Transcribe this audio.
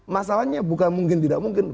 masalahnya bukan mungkin tidak mungkin